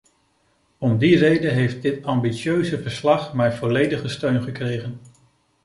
Om die reden heeft dit ambitieuze verslag mijn volledige steun gekregen.